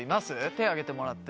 手挙げてもらって。